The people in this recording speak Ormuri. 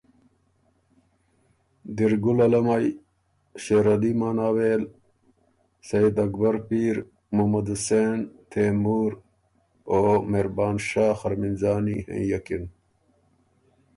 دیرګل علمئ، شېرعلی مانوېل، سېد اکبر پیر، محمد حسېن، تېمُور، او مهربان شاه خرمِنځانی هېنئکِن۔